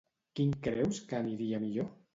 Quin creus que aniria millor?